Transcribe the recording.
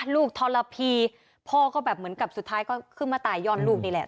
ทรพีพ่อก็แบบเหมือนกับสุดท้ายก็ขึ้นมาตายยอดลูกนี่แหละ